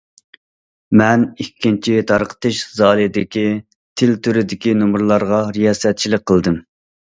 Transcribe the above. مەن ئىككىنچى تارقىتىش زالىدىكى تىل تۈرىدىكى نومۇرلارغا رىياسەتچىلىك قىلدىم.